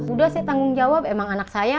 udah sih tanggung jawab emang anak saya